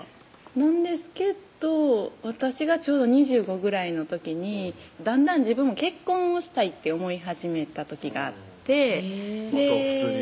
なんですけど私がちょうど２５ぐらいの時にだんだん自分も結婚をしたいって思い始めた時があってへぇ普通にね